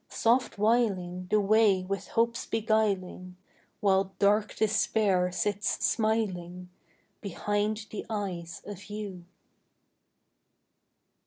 soft whiling The way with hopes beguiling, While dark Despair sits smiling Behind the eyes of you.